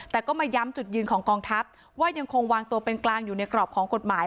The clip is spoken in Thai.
แต่ก็มาย้ำจุดยืนของกองทัพว่ายังคงวางตัวเป็นกลางอยู่ในกรอบของกฎหมาย